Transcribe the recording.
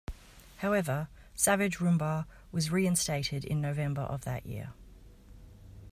However, Savage-Rumbaugh was reinstated in November of that year.